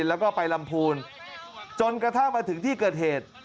แล้วก็ไปลำพูนจนกระทั่งมาถึงที่เกิดเหตุ